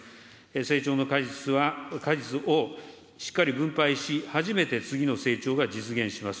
成長の果実は、果実をしっかり分配し、初めて次の成長が実現します。